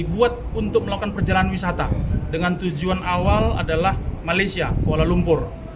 buat untuk melakukan perjalanan wisata dengan tujuan awal adalah malaysia kuala lumpur